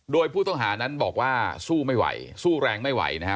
โดยผู้ต้องหานั้นบอกว่าสู้ไม่ไหวสู้แรงไม่ไหวนะฮะ